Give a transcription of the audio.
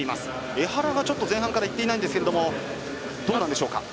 江原が前半からいっていないんですけどどうなんでしょうか？